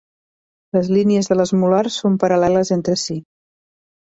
Les línies de les molars són paral·leles entre si.